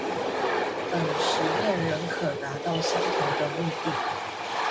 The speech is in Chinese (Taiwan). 本實驗仍可達到相同的目的